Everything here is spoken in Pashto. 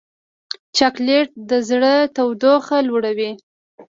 چاکلېټ د زړه تودوخه لوړوي.